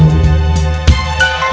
emangerry tidak bisa ah '